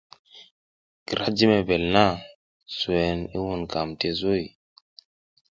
Kira jiy mevel na, suwen i wunukam ti zuy.